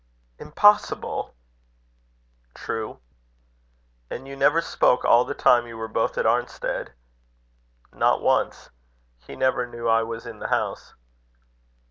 "Impossible!" "True." "And you never spoke all the time you were both at Arnstead?" "Not once. He never knew I was in the house."